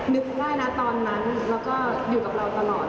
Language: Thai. ได้นะตอนนั้นเราก็อยู่กับเราตลอด